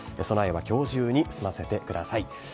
備えはきょう中に済ませてください。